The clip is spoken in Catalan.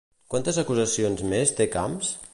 Quantes acusacions més té Camps?